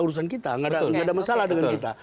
urusan kita nggak ada masalah dengan kita